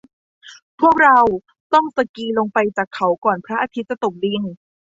พวกเราต้องสกีลงไปจากเขาก่อนพระอาทิตย์จะตกดิน